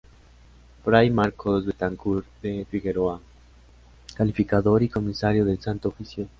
Fray Marcos Betancur de Figueroa, calificador y comisario del Santo Oficio.